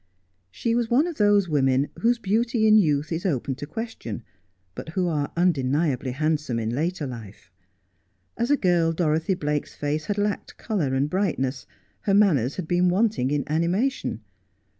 She was one of those women whose beauty in youth is open to question, but who are undeniably handsome in later life. As a girl Dorothv Blake's face had lacked colour and brightness ; her manners had been wanting in animation.